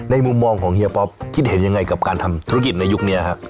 มุมมองของเฮียป๊อปคิดเห็นยังไงกับการทำธุรกิจในยุคนี้ครับ